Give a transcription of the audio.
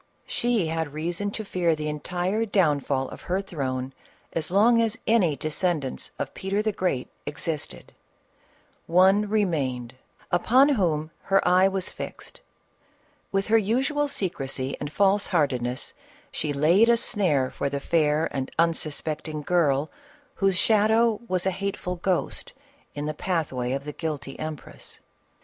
She had reason to fear the entire downfall of her throne as long as any descendants of Peter the Great existed : one remained upon whom her eye was fixed ; with her usual secrecy and false heartedness she laid a snare for the fair and unsuspecting girl whose shadow was a hateful ghost in the pathway of the guilty empress.